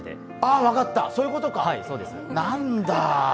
あ、分かったそういうことか、なんだ。